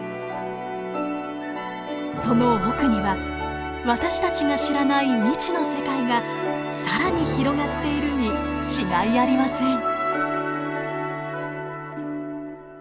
その奥には私たちが知らない未知の世界が更に広がっているに違いありません。